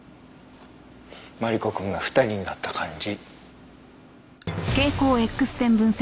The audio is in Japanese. マリコ君が２人になった感じ。